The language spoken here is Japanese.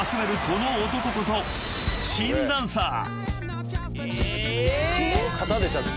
この男こそ新ダンサー］